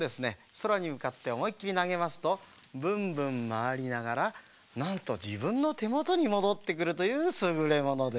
そらにむかっておもいっきりなげますとブンブンまわりながらなんとじぶんのてもとにもどってくるというすぐれものです。